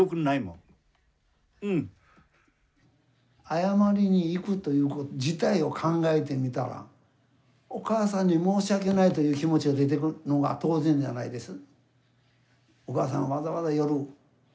謝りに行くということ自体を考えてみたらお母さんに申し訳ないという気持ちが出てくるのが当然じゃないです？